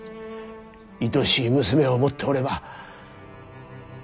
いとしい娘を持っておれば。